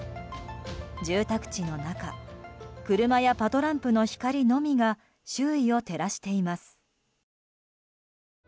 住宅地の中車やパトランプの光のみが周囲を照らしています。